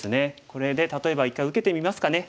これで例えば一回受けてみますかね。